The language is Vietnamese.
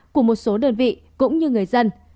của một số đơn vị cũng như người dân